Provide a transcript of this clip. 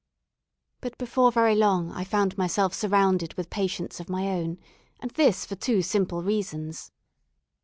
But before very long I found myself surrounded with patients of my own, and this for two simple reasons.